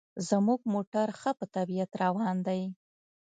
زموږ موټر ښه په طبیعت روان دی.